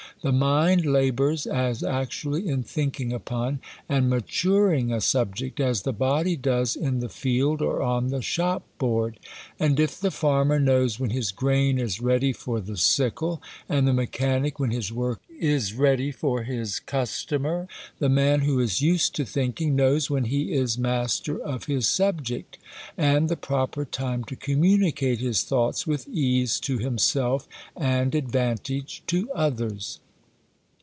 The mind labours as actually in thinking upon, and maturing a subject, as the body does in the field, or on the shop board. And, if the farmer knows when his grain is ready for the sickle, and the mechanic, when his work is ready for his customer, the man, who 'ised to thinking, knows when he is master of his subject, i}60 TliE COLUMBIAN ORATOR. subject, and the proper time to communicate his thoughts with ease to himself and advantage to others.